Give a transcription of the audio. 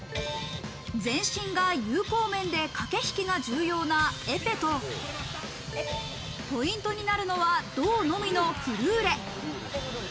全身が有効面で駆け引きが重要なエペとポイントになるのは胴のみのフルーレ。